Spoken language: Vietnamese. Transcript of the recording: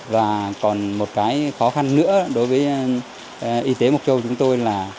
và còn một cái khó khăn nữa đối với y tế mộc châu chúng tôi là